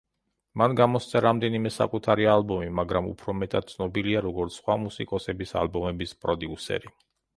მან გამოსცა რამდენიმე საკუთარი ალბომი, მაგრამ უფრო მეტად ცნობილია, როგორც სხვა მუსიკოსების ალბომების პროდიუსერი.